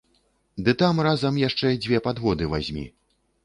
Ды там разам яшчэ дзве падводы вазьмі.